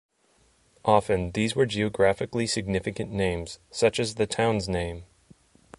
Often these were geographically significant names, such as the town's name.